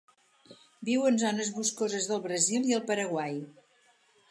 Viu en zones boscoses del Brasil i el Paraguai.